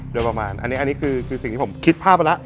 โดยประมาณอันนี้คือสิ่งที่ผมคิดภาพไปแล้ว